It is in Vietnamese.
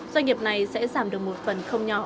doanh nghiệp này sẽ giảm được một phần không nhỏ